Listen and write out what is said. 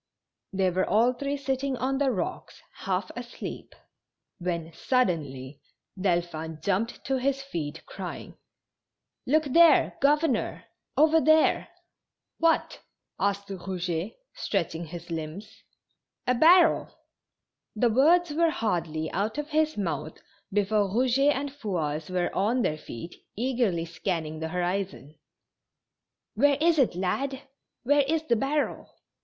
They were all three sitting on the rocks half asleep, when suddenly Delphin jumped to his feet, crying: " Look there, governor ! Over there !" 218 TASTING niE DRINK. *• Wliat? asked Eouget, stretdiiug his limbs. " A barrel." The words were hardly out of his mouth before Eou get and Fouasse were on their feet, eagerly scanning the horizon. "Where is it, lad? Where is the barrel?"